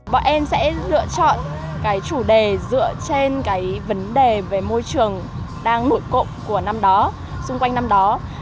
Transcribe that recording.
bọn em sẽ lựa chọn cái chủ đề dựa trên cái vấn đề về môi trường đang nổi cộng của năm đó xung quanh năm đó